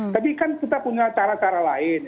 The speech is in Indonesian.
tapi kan kita punya cara cara lain